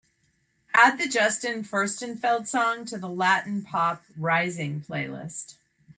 Add the Justin Furstenfeld song to the latin pop rising playlist.